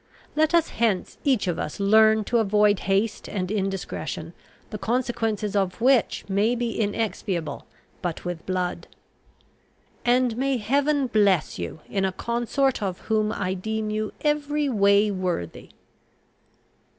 Let us hence each of us learn to avoid haste and indiscretion, the consequences of which may be inexpiable but with blood; and may Heaven bless you in a consort of whom I deem you every way worthy!"